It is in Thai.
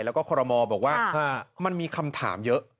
แล้วก็คอรมอลบอกว่ามันมีคำถามเยอะ